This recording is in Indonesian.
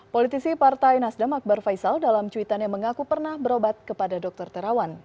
politisi partai nasdem akbar faisal dalam cuitannya mengaku pernah berobat kepada dr terawan